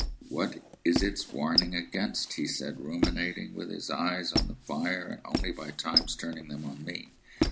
"What is its warning against?" he said, ruminating, with his eyes on the fire, and only by times turning them on me.